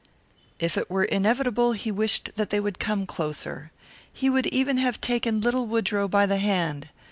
If it were inevitable he wished that they would come closer. He would even have taken little Woodrow by the hand.